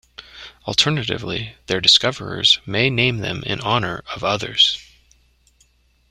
Alternatively, their discoverers may name them in honor of others.